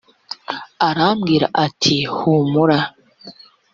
arambwira ati humura